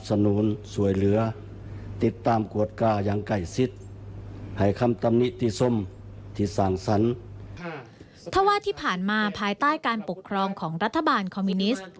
เสร็จแล้วที่นายทองลุนศรีสุฤษอดีตรัฐมนตรีกระทรวงต่างประเทศ